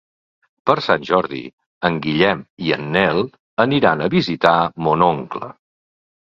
Per Sant Jordi en Guillem i en Nel iran a visitar mon oncle.